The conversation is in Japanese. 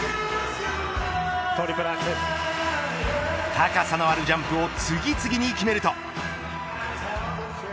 高さのあるジャンプを次々に決めると。